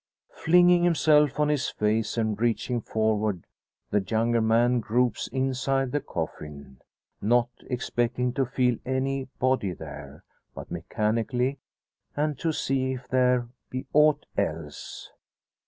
Flinging himself on his face, and reaching forward, the younger man gropes inside the coffin not expecting to feel any body there, but mechanically, and to see if there be aught else.